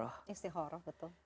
dua namanya istigharah betul